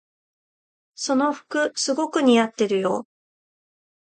その服すごく似合ってるよ。